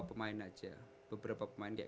pemain aja beberapa pemain kayak